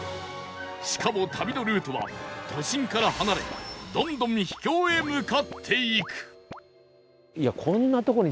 しかも旅のルートは都心から離れどんどん秘境へ向かっていく